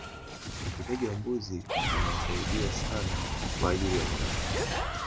ufugaji wa mbuzi unasiadia sana kwa ajili ya nyama choma